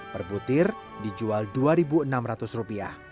per butir dijual rp dua enam ratus